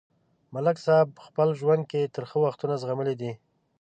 ملک صاحب په خپل ژوند کې ترخه وختونه زغملي دي.